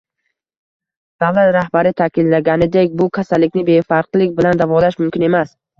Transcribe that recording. Davlat rahbari ta'kidlaganidek, bu kasallikni befarqlik bilan davolash mumkin emas